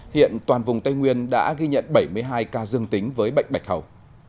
hiện toàn vùng tây nguyên đã ghi nhận bảy mươi hai ca dương tính với bệnh bạch hầu